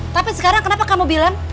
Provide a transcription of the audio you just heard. tapi sekarang kenapa kamu bilang